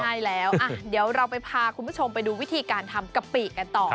ใช่แล้วเดี๋ยวเราไปพาคุณผู้ชมไปดูวิธีการทำกะปิกันต่อ